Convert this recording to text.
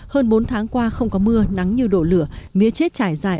hơn bốn tháng qua không có mưa nắng như đổ lửa mía chết trải dài